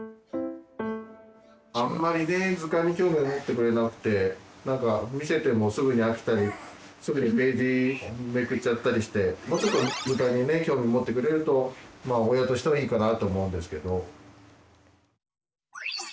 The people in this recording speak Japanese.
あんまりね図鑑に興味をもってくれなくて見せてもすぐに飽きたりすぐにページめくっちゃったりしてもうちょっと図鑑に興味もってくれると親としてはいいかなと思うんですけど。